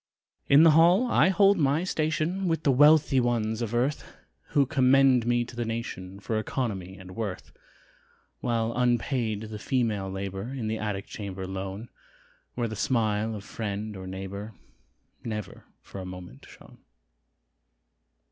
In the hall I hold my station, With the wealthy ones of earth, Who commend me to the nation For economy and worth, While unpaid the female labor, In the attic chamber lone, Where the smile of friend or neighbor Never for a moment shone.